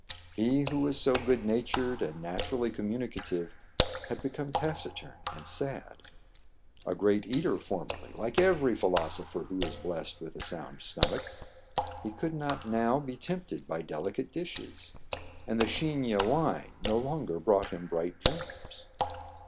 He who was so good natured and naturally communicative had become taciturn and sad. A great eater formerly, like every philosopher who is blessed with a sound stomach, he could not now be tempted by delicate dishes, and the Chigne wine no longer brought him bright dreams.